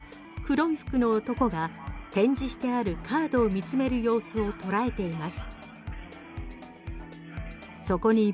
防犯カメラは黒服の男が展示してあるカードを見つめる様子を捉えています。